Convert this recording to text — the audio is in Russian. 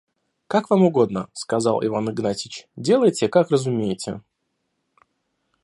«Как вам угодно, – сказал Иван Игнатьич, – делайте, как разумеете.